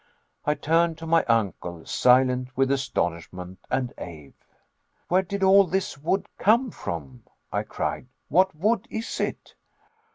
I turned to my uncle, silent with astonishment and awe. "Where did all this wood come from?" I cried; "what wood is it?"